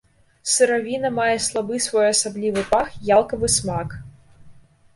Сыравіна мае слабы своеасаблівы пах, ялкавы смак.